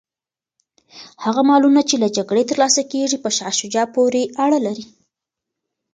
هغه مالونه چي له جګړې ترلاسه کیږي په شاه شجاع پوري اړه لري.